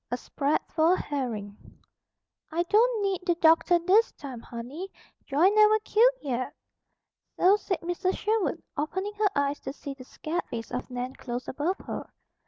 A SPRAT FOR A HERRING "I don't need the doctor this time, honey; joy never killed yet." So said Mrs. Sherwood, opening her eyes to see the scared face of Nan close above her.